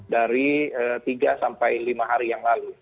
dari tiga sampai lima hari yang lalu